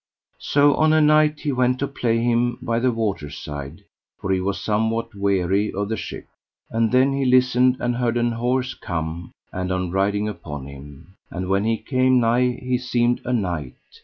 So on a night he went to play him by the water side, for he was somewhat weary of the ship. And then he listened and heard an horse come, and one riding upon him. And when he came nigh he seemed a knight.